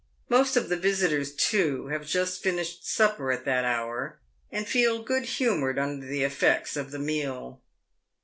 Most of the visitors, too, have just finished supper at that hour, and feel good humoured under the effects of the meal.